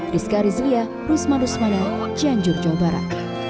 rizka rizlia rusman rusmana cianjur jawa barat